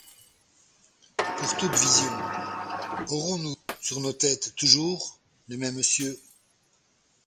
Pour toute vision, aurons-nous sur nos têtesToujours les mêmes cieux?